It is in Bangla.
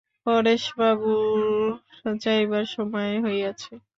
পরেশবাবুর যাইবার সময় হইয়াছে।